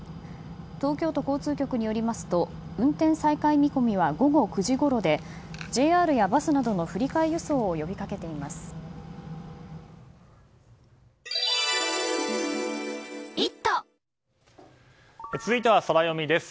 東京都交通局によりますと運転再開見込みは午後９時ごろでＪＲやバスなどの続いてはソラよみです。